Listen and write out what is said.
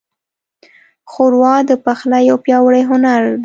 ښوروا د پخلي یو پیاوړی هنر دی.